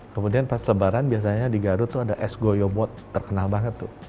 kemudian pas lebaran biasanya di garut tuh ada es goyobot terkenal banget tuh